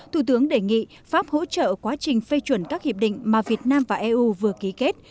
thủ tướng đề nghị pháp hỗ trợ quá trình phê chuẩn các hiệp định mà việt nam và eu vừa ký kết